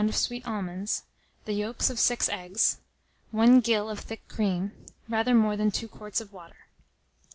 of sweet almonds, the yolks of 6 eggs, 1 gill of thick cream, rather more than 2 quarts of water.